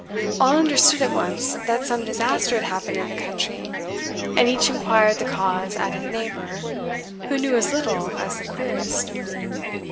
All understood at once that some disaster had happened in the country, and each inquired the cause at his neighbour, who knew as little as the querist.